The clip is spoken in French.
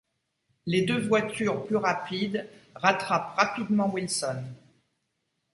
Les deux voitures plus rapides rattrapent rapidement Wilson.